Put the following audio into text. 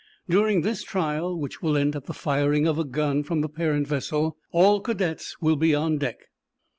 During this trial, which will end at the firing of a gun from the parent vessel, all cadets will be on deck."